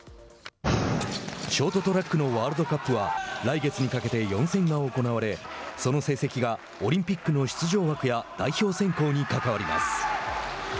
ショートトラックのワールドカップは来月にかけて４戦が行われその成績がオリンピックの出場枠や代表選考に関わります。